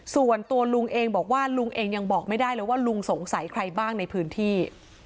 ส่วนตัวลุงเองบอกว่าลุงเองยังบอกไม่ได้เลยว่าลุงสงสัยใครบ้างในพื้นที่